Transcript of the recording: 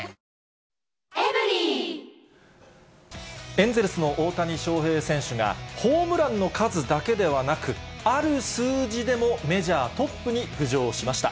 エンゼルスの大谷翔平選手が、ホームランの数だけではなく、ある数字でもメジャートップに浮上しました。